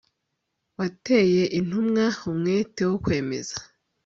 wateye intumwa umwete wo kwemeza